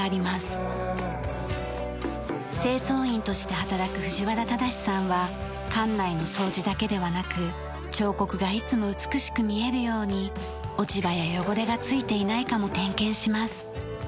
清掃員として働く藤原正さんは館内の掃除だけではなく彫刻がいつも美しく見えるように落ち葉や汚れがついていないかも点検します。